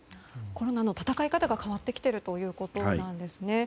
コロナの闘い方が変わってきているということですね。